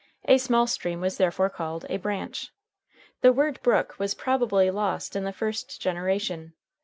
A small stream was therefore called a branch. The word brook was probably lost in the first generation.